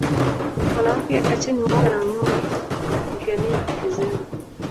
wanawake acheni woga na unyonge wa kupigania haki zenu